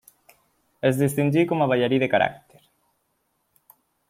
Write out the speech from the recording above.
Es distingí com a ballarí de caràcter.